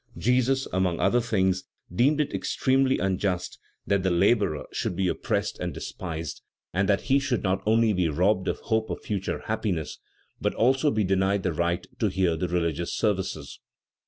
Jesus, among other things, deemed it extremely unjust that the laborer should be oppressed and despised, and that he should not only be robbed of hope of future happiness, but also be denied the right to hear the religious services.